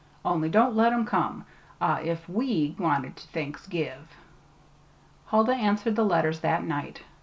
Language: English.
Only don't let um come. A if we wanted to Thanksgive! Huldah answered the letters that night.